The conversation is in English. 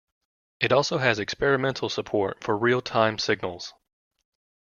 It also has experimental support for real-time signals.